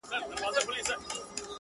ته به وایې نې خپلوان نه یې سیالان دي,